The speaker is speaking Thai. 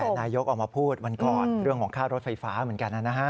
นายกออกมาพูดวันก่อนเรื่องของค่ารถไฟฟ้าเหมือนกันนะฮะ